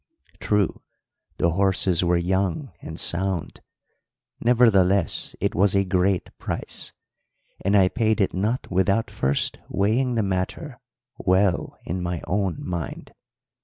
True, the horses were young and sound; nevertheless, it was a great price, and I paid it not without first weighing the matter well in my own mind.